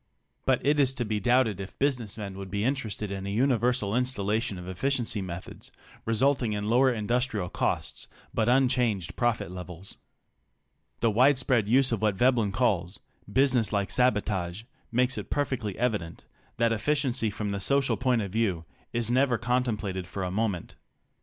But it is to be doubted if business men would be interested in a universal installation of efficiency methods resulting in lower industrial costs, but unchanged profit levels. The widespread use of what Veb len calls "business like sabotage" makes it perfectly evident that efficiency from the social point of view is never contem plated for a moment.